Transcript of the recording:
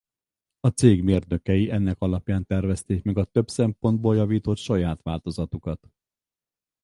A cég mérnökei ennek alapján tervezték meg a több szempontból javított saját változatukat.